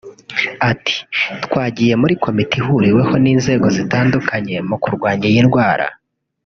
Ati” Twagiye muri komite ihuriweho n’inzego zitandukanye mu kurwanya iyi ndwara